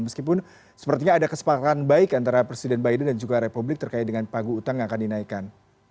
meskipun sepertinya ada kesepakatan baik antara presiden biden dan juga republik terkait dengan pagu utang yang akan dinaikkan